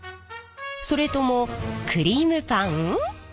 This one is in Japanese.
それともクリームパン？